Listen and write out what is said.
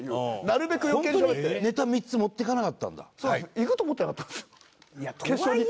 いくと思ってなかったんですよ決勝に。